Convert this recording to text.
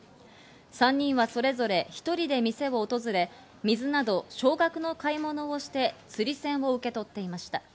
３人はそれぞれひとりで店を訪れ、水など少額の買い物をして、つり銭を受け取っていました。